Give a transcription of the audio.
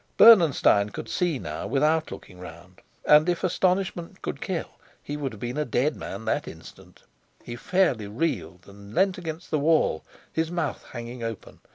Bernenstein could see now without looking round, and if astonishment could kill, he would have been a dead man that instant. He fairly reeled and leant against the wall, his mouth hanging open.